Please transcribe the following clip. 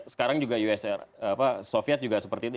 sekarang juga soviet seperti itu